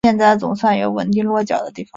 现在总算有稳定落脚的地方